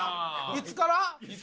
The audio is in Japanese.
いつから？